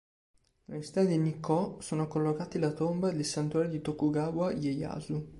Nella città di Nikkō sono collocati la tomba ed il santuario di Tokugawa Ieyasu